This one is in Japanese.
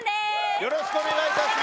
よろしくお願いします。